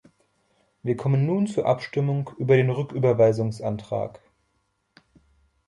Wir kommen nun zur Abstimmung über den Rücküberweisungsantrag.